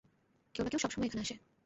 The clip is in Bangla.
কেউ না কেউ সবসময় এখানে আসে।